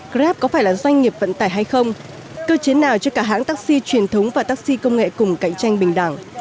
grab có phải là doanh nghiệp vận tải hay không cơ chế nào cho cả hãng taxi truyền thống và taxi công nghệ cùng cạnh tranh bình đẳng